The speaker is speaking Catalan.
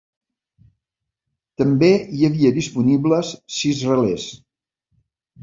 També hi havia disponibles sis relés.